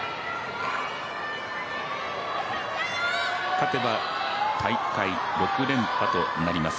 勝てば大会６連覇となります。